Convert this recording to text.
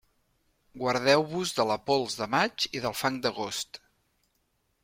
Guardeu-vos de la pols de maig i del fang d'agost.